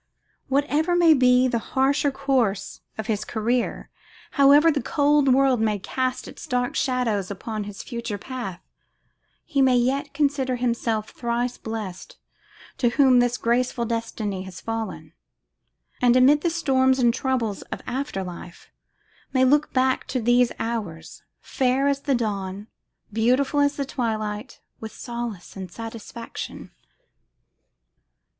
Whatever may be the harsher course of his career, however the cold world may cast its dark shadows upon his future path, he may yet consider himself thrice blessed to whom this graceful destiny has fallen, and amid the storms and troubles of after life may look back to these hours, fair as the dawn, beautiful as the twilight, with solace and satisfaction.